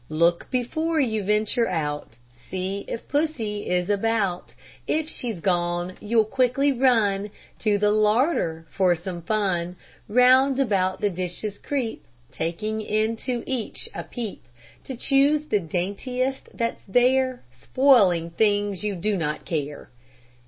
Look before you venture out, See if pussy is about. If she's gone, you'll quickly run To the larder for some fun; Round about the dishes creep, Taking into each a peep, To choose the daintiest that's there, Spoiling things you do not care.